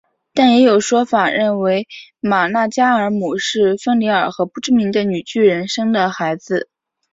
但也有说法认为玛纳加尔姆是芬里尔和不知名的女巨人生的孩子。